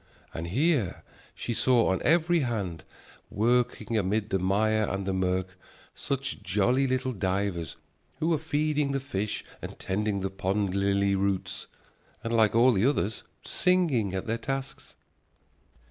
And here she saw on every hand, working amid the mire and the mirk, such jolly little divers, who were feeding the fish and tending the pond lily roots, and, like all the others, singing at their tasks.